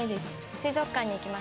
水族館に行きます。